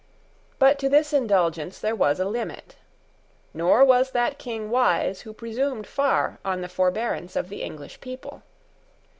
But to this indulgence there was a limit; nor was that King wise who presumed far on the forbearance of the English people.